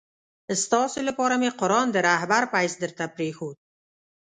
ستاسي لپاره مي قرآن د رهبر په حیث درته پرېښود.